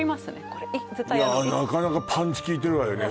これなかなかパンチ効いてるわよね